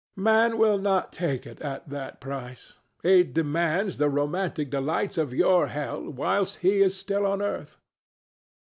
Man will not take it at that price: he demands the romantic delights of your hell whilst he is still on earth.